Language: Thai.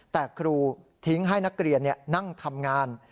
แต่ครูทิ้งให้นักเรียนนั่งทำงาน